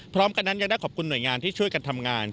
พร้อมกันนั้นยังได้ขอบคุณหน่วยงานที่ช่วยกันทำงาน